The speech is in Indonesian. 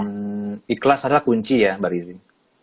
hmm ikhlas adalah kunci ya mbak lizzy